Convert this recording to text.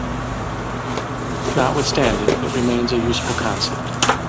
Notwithstanding, it remains a useful concept.